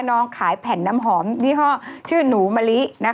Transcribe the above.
ขายแผ่นน้ำหอมยี่ห้อชื่อหนูมะลินะคะ